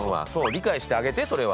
理解してあげてそれは。